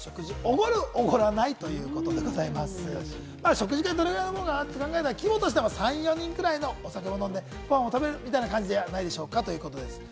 食事会、どれぐらいのものか、規模としては３４人くらいでお酒を飲んで、ご飯を食べるみたいな感じではないでしょうかということです。